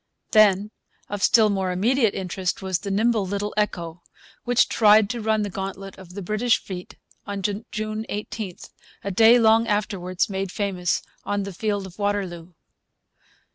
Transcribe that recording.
Then, of still more immediate interest was the nimble little Echo, which tried to run the gauntlet of the British fleet on June 18, a day long afterwards made famous on the field of Waterloo.